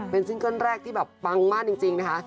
เป็นซิงเกิ้ลแรกที่แบบปังมากจริงนะคะ